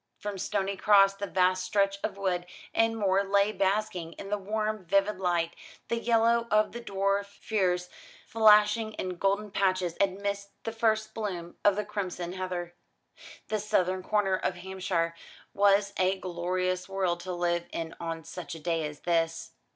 From Stony Cross the vast stretch of wood and moor lay basking in the warm vivid light, the yellow of the dwarf furze flashing in golden patches amidst the first bloom of the crimson heather. This southern corner of Hampshire was a glorious world to live in on such a day as this.